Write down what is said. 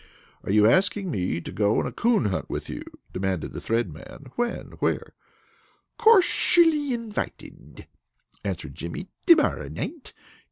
"Are you asking me to go on a coon hunt with you?" demanded the Thread Man. "When? Where?" "Corshally invited," answered Jimmy. "To morrow night.